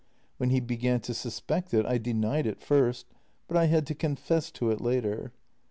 When he began to suspect it I denied it first, but I had to confess to it later.